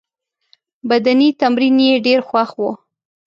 بدني تمرین یې ډېر خوښ وو.